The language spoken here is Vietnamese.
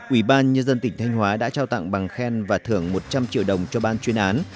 ủy ban nhân dân tỉnh thanh hóa đã trao tặng bằng khen và thưởng một trăm linh triệu đồng cho ban chuyên án